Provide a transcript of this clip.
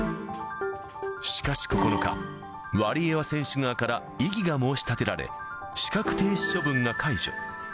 しかし９日、ワリエワ選手側から異議が申し立てられ、資格停止処分が解除。